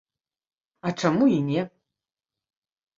А чаму і не?